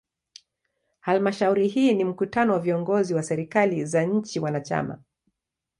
Halmashauri hii ni mkutano wa viongozi wa serikali za nchi wanachama.